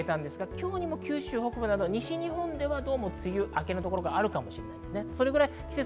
今日、九州北部など西日本では梅雨明けのところがあるかもしれません。